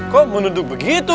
kok menunduk begitu